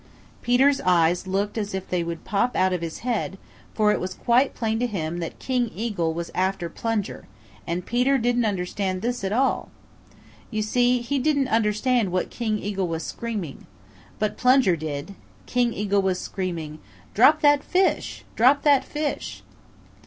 Peter's eyes looked as if they would pop out of his head, for it was quite plain to him that King Eagle was after Plunger, and Peter didn't understand this at all. You see, he didn't understand what King Eagle was screaming. But Plunger did. King Eagle was screaming, "Drop that fish! Drop that fish!"